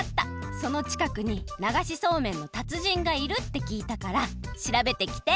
そのちかくにながしそうめんのたつじんがいるってきいたからしらべてきて！